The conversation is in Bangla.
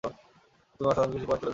আর তুমি অসাধারণ কিছু পয়েন্ট তুলে ধরেছ।